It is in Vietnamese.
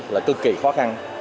là cực kỳ khó khăn